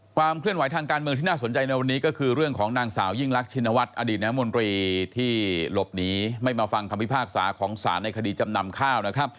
ความเคลื่อนไหวทางการเมืองที่น่าสนใจในวันนี้ก็คือเรื่องของนางสาวยิ่งรักชินวัฒน์อดีตน้ำมนตรีที่หลบหนีไม่มาฟังคำพิพากษาของศาลในคดีจำนำข้าวนะครับ